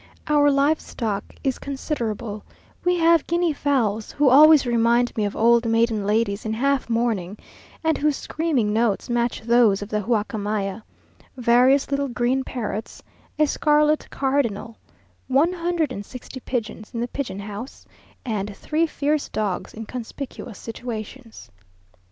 Our live stock is considerable: we have Guinea fowls, who always remind me of old maiden ladies in half mourning, and whose screaming notes match those of the huacamaya; various little green parrots; a scarlet cardinal, one hundred and sixty pigeons in the pigeon house, and three fierce dogs in conspicuous situations.